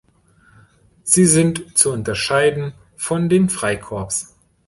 Sie sind zu unterscheiden von den Freikorps.